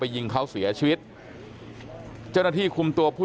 แต่ว่าวินนิสัยดุเสียงดังอะไรเป็นเรื่องปกติอยู่แล้วครับ